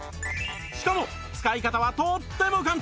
しかも使い方はとーっても簡単！